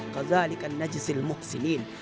qadhalikan najsil muksinin